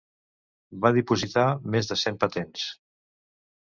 Va dipositar més de cent patents.